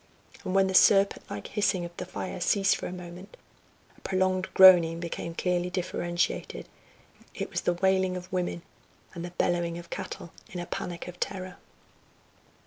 And when the serpent like hissing of the fire ceased for a moment, a prolonged groaning became clearly differentiated: it was the wailing of women, and the bellowing of cattle in a panic of terror.